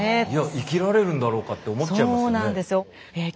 生きられるんだろうかって思っちゃいますよね。